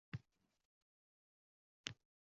Yigit-qizga gilam poyandoz.